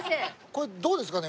これどうですかね？